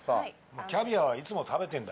キャビアはいつも食べてるんだけど。